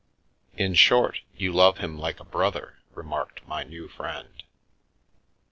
" In short, you love him like a brother," remarked my new friend.